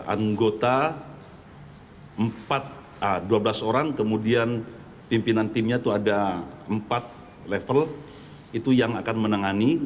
anggota dua belas orang kemudian pimpinan timnya itu ada empat level itu yang akan menangani